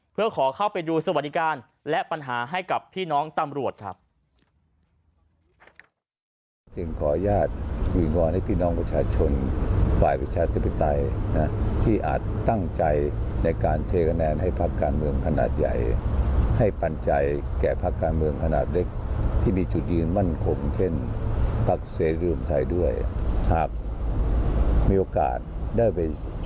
เพื่อขอเข้าไปดูสวัสดิการและปัญหาให้กับพี่น้องตำรวจครับ